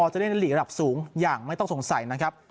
จะเล่นหลีกระดับสูงอย่างไม่ต้องสงสัยนะครับ